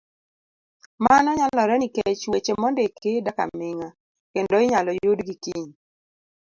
Mano nyalore nikech, weche mondiki dak aming'a kendo inyalo yudgi kiny.